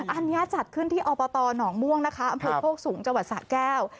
อันนี้จัดขึ้นที่อนม่วงนะคะอำเภอโคกสูงจสะแก้ว